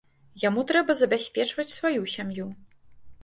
Яму трэба забяспечваць сваю сям'ю.